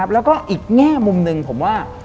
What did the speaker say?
แล้วก็อีกแง่มุมหนึ่งผมว่า